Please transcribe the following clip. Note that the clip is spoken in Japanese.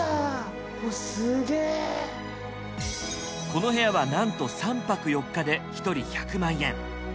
この部屋はなんと３泊４日で一人１００万円。